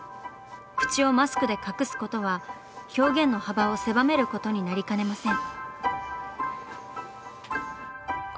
口をマスクで隠すことは表現の幅を狭めることになりかねません。